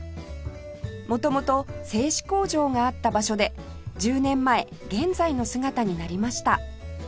元々製紙工場があった場所で１０年前現在の姿になりました